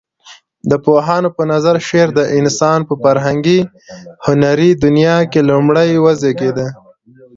د پوهانو په نظر شعر د انسان په فرهنګي هنري دنيا کې لومړى وزيږيده.